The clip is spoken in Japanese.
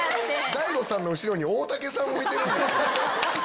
大悟さんの後ろに大竹さんもいてる。